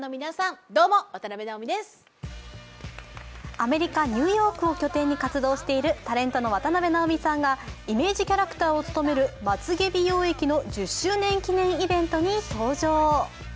アメリカ・ニューヨークを拠点に活動しているタレントの渡辺直美さんがイメージキャラクターを務めるまつげ美容液の１０周年記念イベントに登場。